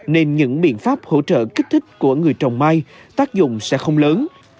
nên những biện pháp hỗ trợ kích thích của người trồng mai tác dụng sẽ không lớn